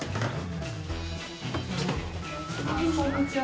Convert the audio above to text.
こんにちは。